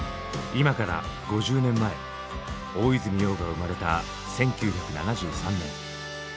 今から５０年前大泉洋が生まれた１９７３年。